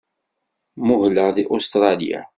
Muhleɣ deg Ustṛalya.